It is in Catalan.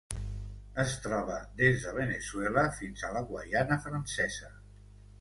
Es troba des de Veneçuela fins a la Guaiana Francesa.